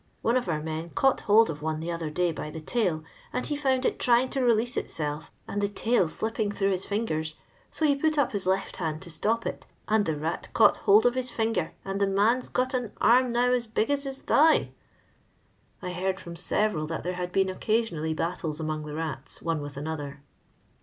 One of our men caught hold of one the other day by the tail, and he found it trying to release itself, and the tail slipping through his fingers ; so he put up his left hand to stop it, and the rat caught hold of his finger, and the man 's got an arm now as big as his thigh." I heard from several that there had been occasionally battles among the rats, one with another.